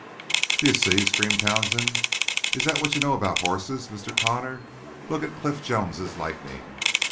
"D'you see?" screamed Townsend. "Is that what you know about hosses, Mr. Connor? Look at Cliff Jones's Lightning!